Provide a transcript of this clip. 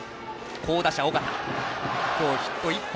好打者、緒方今日ヒット１本。